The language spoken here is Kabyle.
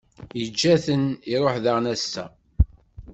Iǧǧa-ten, iṛuḥ daɣen ass-a.